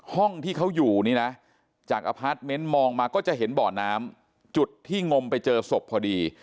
ห้องที่เขาอยู่นี่นะจากอพาร์ทเมนต์มองมาก็จะเห็นบ่อน้ำจุดที่งมไปเจอศพพอดี